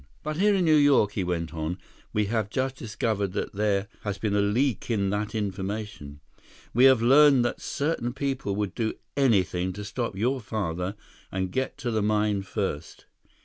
But here in New York," he went on, "we have just discovered that there has been a leak in that information. We have learned that certain people would do anything to stop your father and get to the mine first.